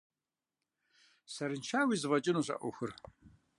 Сэрыншэуи зэфӏэкӏынущ а ӏуэхур.